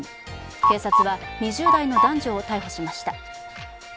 警察は２０代の男女を逮捕しました。